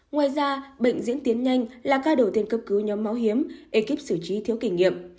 ngoài ra bệnh diễn tiến nhanh là ca đầu tiên cấp cứu nhóm máu hiếm ekip sử trí thiếu kỷ niệm